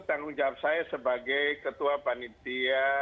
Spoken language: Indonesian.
tanggung jawab saya sebagai ketua panitia